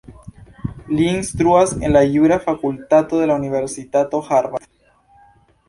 Li instruas en la jura fakultato de la Universitato Harvard.